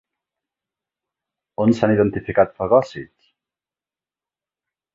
On s'han identificat fagòcits?